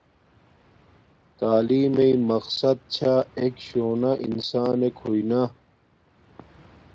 تعلیم میݵ مقصد چھا ایک شونا انسانک ہوݵ نا